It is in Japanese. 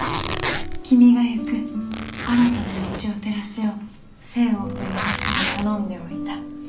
「君が行く新たな道を照らすよう千億の星に頼んでおいた」。